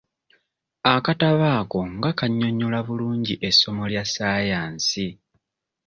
Akatabo ako nga kannyonnyola bulungi essomo lya saayansi!